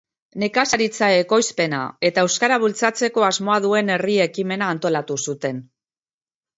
Nekazaritza-ekoizpena eta euskara bultzatzeko asmoa duen herri ekimena antolatu zuten.